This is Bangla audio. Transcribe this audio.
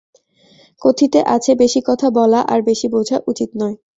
কথিতে আছে, বেশি কথা বলা আর বেশি বোঝা উচিত নয়।